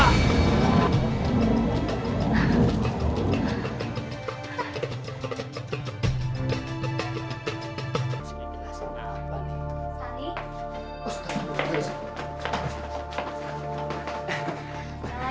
nah ini kenapa